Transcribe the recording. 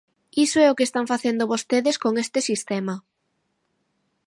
Iso é o que están facendo vostedes con este sistema.